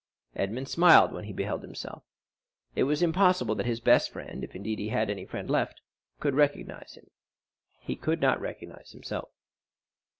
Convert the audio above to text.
Edmond smiled when he beheld himself; it was impossible that his best friend—if, indeed, he had any friend left—could recognize him; he could not recognize himself.